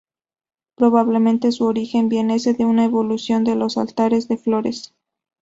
Probablemente su origen viniese de una evolución de los altares de flores.